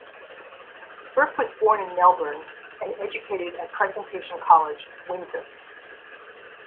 Burke was born in Melbourne and educated at Presentation College, Windsor.